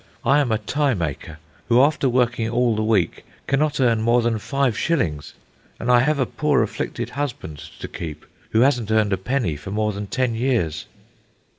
I am a tie maker, who, after working all the week, cannot earn more than five shillings, and I have a poor afflicted husband to keep who hasn't earned a penny for more than ten years.